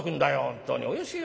本当に。